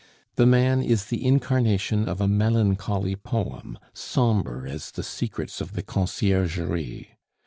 The man is the incarnation of a melancholy poem, sombre as the secrets of the Conciergerie.